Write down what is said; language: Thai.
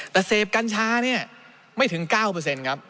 แต่เสพกัญชาเนี่ยไม่ถึง๙ครับ